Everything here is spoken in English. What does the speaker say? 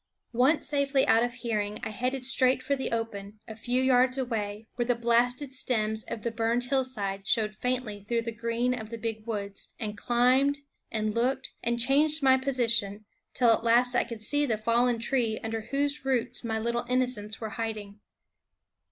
Once safely out of hearing, I headed straight for the open, a few yards away, where the blasted white stems of the burned hillside showed through the green of the big woods, and climbed, and looked, and changed my position, till I could see the fallen tree under whose roots my little innocents were hiding.